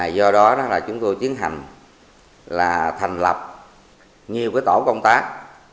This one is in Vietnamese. do đó chúng tôi tiến hành thành lập nhiều tổ công tác